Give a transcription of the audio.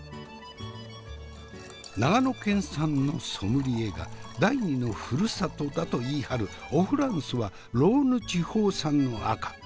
長野県産のソムリエが第二のふるさとだと言い張るおフランスはローヌ地方産の赤。